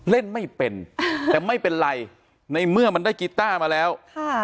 เล่นไม่เป็นแต่ไม่เป็นไรในเมื่อมันได้กีต้ามาแล้วค่ะ